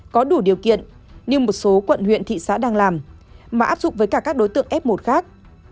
có đủ điều kiện như một số quận huyện thị xã đang làm mà áp dụng với cả các đối tượng f một khác